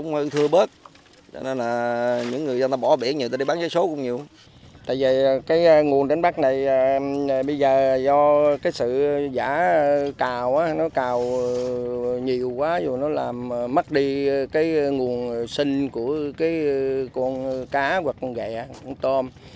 mất đi nguồn sinh của con cá hoặc con ghẹ con tôm